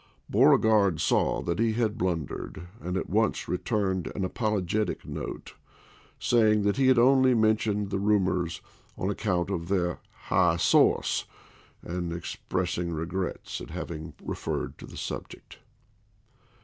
Beauregard saw that he had blundered and at once returned an apologetic note, saying he had only mentioned the rumors on account of their "high source," and expressing regrets at having referred to the subject.